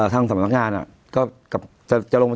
ทางสำนักงานก็จะลงไป